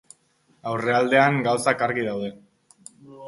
Aurrealdean gauzak argi daude.